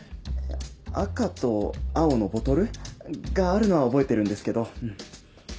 赤と青のボトルがあるのは覚えてるんですけど。